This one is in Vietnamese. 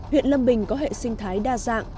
huyện lâm bình có hệ sinh thái đa dạng